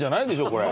これ。